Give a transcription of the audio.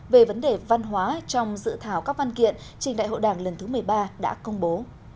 về vấn đề văn hóa trong dự thảo các văn kiện trình đại hội đảng lần thứ một mươi ba đã công bố